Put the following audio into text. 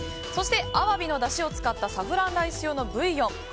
そして、アワビのだしを使ったサフランライス用のブイヨン。